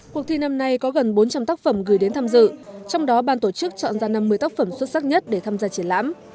cuộc thi năm nay có gần bốn trăm linh tác phẩm gửi đến tham dự trong đó ban tổ chức chọn ra năm mươi tác phẩm xuất sắc nhất để tham gia triển lãm